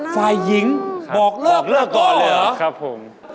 ฝ่ายหญิงบอกเลิกเดี๋ยวก่อนเหรอ